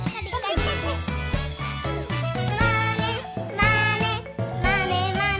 「まねまねまねまね」